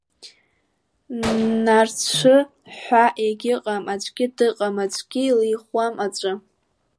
Нарцәы ҳәа егьыҟам, аӡәгьы дыҟам, аӡәгьы илихуам аҵәы!